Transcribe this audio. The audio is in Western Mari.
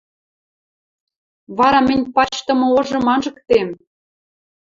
Вара мӹнь пачдымы ожым анжыктем!